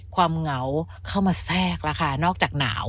ความเหงาเข้ามาแทรกละค่ะนอกจากหนาว